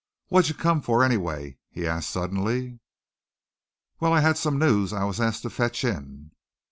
"What'd you come for, anyway?" he asked suddenly. "Well, I had some news I was asked to fetch in."